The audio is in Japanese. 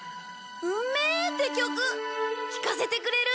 「うんめえ！」って曲聞かせてくれる？